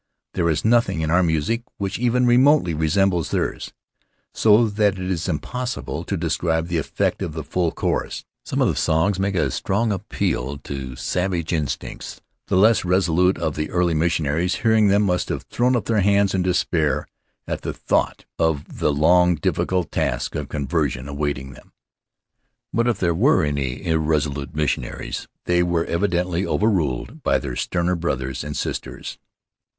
There is nothing in our music which even remotely resembles theirs, so that it is impossible to describe the effect of the full chorus. Some of the songs make a strong appeal to savage instincts. The less resolute of the early missionaries, hearing them, must have thrown up their hands in despair at the thought of the long, difficult task of conversion awaiting them. But if there were any irresolute missionaries, they were evidently overruled by their sterner brothers and sisters.